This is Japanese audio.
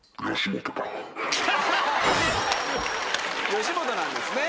吉本なんですね。